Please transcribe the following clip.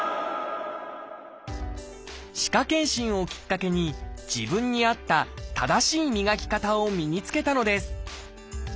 歯科健診をきっかけに自分に合った正しい磨き方を身につけたのです。